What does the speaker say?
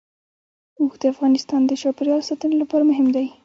اوښ د افغانستان د چاپیریال ساتنې لپاره مهم دي.